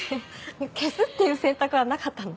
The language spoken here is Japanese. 消すっていう選択はなかったの？